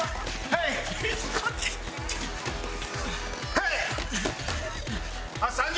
はい！